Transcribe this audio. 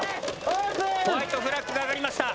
ホワイトフラッグが上がりました。